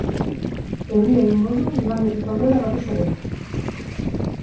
Euria egingo du, igandetik aurrera batez ere.